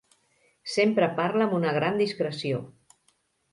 Sempre parla amb una gran discreció.